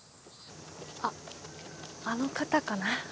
あっあの方かな？